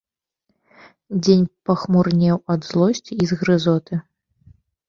Дзень пахмурнеў ад злосці і згрызоты.